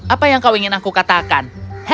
apa yang kau ingin aku katakan